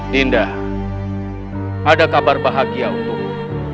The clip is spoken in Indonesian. dinda ada kabar bahagia untukmu